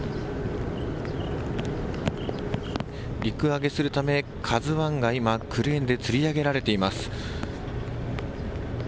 陸揚げするためＫＡＺＵＩが今、クレーンでつり上げられています。